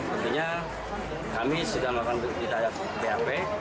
artinya kami sudah melakukan di tahap bap